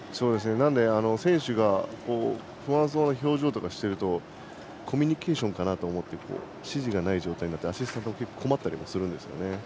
なので、選手が不安そうな表情をしているとコミュニケーションかなと思って指示がない状態になってアシスタントが結構困ったりするんですよね。